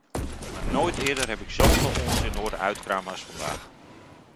Maar nooit eerder heb ik zoveel onzin horen uitkramen als vandaag.